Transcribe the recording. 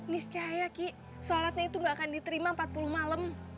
niscahaya ki sholatnya itu gak akan diterima empat puluh malam